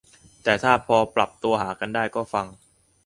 แต่ถ้าพอปรับตัวหากันได้ก็ฟัง